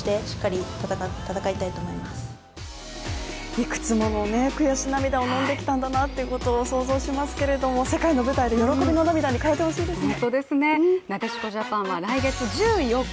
いくつもの悔し涙をのんできたんだなということを想像しますけれども、世界の舞台で喜びの涙に変えてほしいですね。